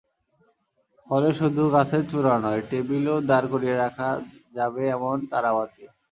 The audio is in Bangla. ফলে শুধু গাছের চূড়ায় নয়, টেবিলেও দাঁড় করিয়ে রাখা যাবে এমন তারাবাতি।